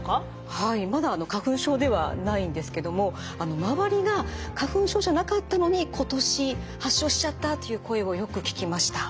はいまだ花粉症ではないんですけども周りが花粉症じゃなかったのに今年発症しちゃったという声をよく聞きました。